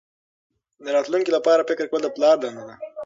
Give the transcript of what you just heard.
د راتلونکي لپاره فکر کول د پلار دنده ده.